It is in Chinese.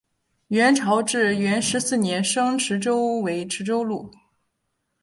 元朝至元十四年升池州为池州路。